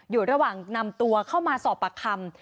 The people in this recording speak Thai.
อยู่ระหว่างนำตัวเข้ามาสอบปากคำ